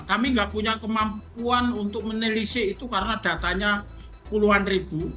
kami tidak punya kemampuan untuk menelisik itu karena datanya puluhan ribu